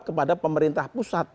kepada pemerintah pusat